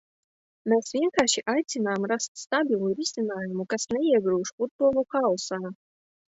Mēs vienkārši aicinām rast stabilu risinājumu, kas neiegrūž futbolu haosā.